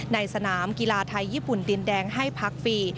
ในสนามกีฬาไทยญี่ปุ่นดินแดงให้พักฟรี